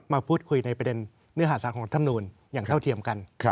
มาพูดคุยในประเด็นเนื้อหาสารของรัฐธรรมนูลอย่างเท่าเทียมกัน